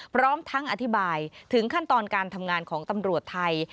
พร้อมทั้งอธิบายถึงขั้นตอนการทำงานของตำรวจไทย